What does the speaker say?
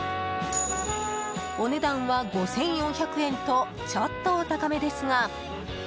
お値段は５４００円とちょっとお高めですが。